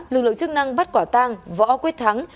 lực lượng chức năng bắt quả tang võ quyết thắng